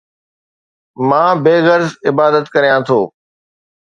مان بي غرض عبادت ڪريان ٿو